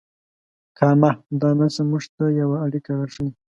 کامه دا نښه موږ ته یوه اړیکه راښیي.